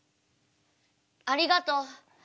ありがとう。